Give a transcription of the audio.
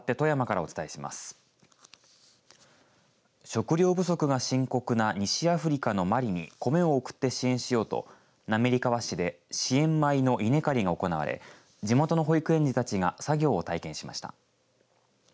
食糧不足が深刻な西アフリカのマリに米を送って支援しようと滑川市で支援米の稲刈りが行われ地元の保育園児たちが作業を体験しました。